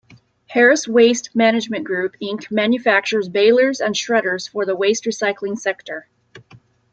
Harris Waste Management Group, Inc manufactures balers and shredders for the waste recycling sector.